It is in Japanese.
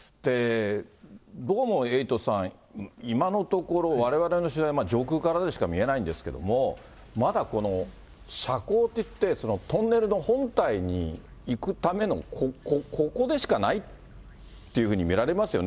どうもエイトさん、今のところ、われわれの取材、上空からでしか見えないんですけれども、まだこの斜坑といって、トンネルの本体に行くためのここでしかないっていうふうに見られますよね。